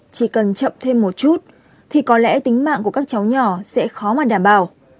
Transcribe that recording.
tính mạng của các cháu nhỏ sẽ khó mà đảm bảo